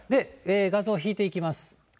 画像引いていきます。